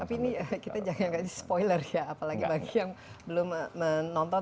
tapi ini kita jangan kasih spoiler ya apalagi bagi yang belum menonton